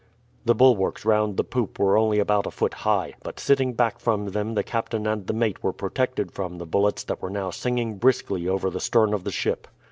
The bulwarks round the poop were only about a foot high, but sitting back from them the captain and the mate were protected from the bullets that were now singing briskly over the stern of the ship.